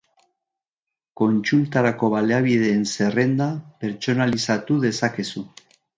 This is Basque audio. Kontsultarako baliabideen zerrenda pertsonalizatu dezakezu.